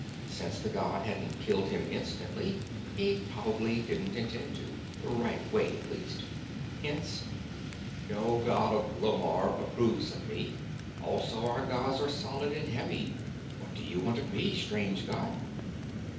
Since the god hadn't killed him instantly, he probably didn't intend to right away, at least. Hence: "No god of Lomarr approves of me. Also, our gods are solid and heavy. What do you want of me, strange god?"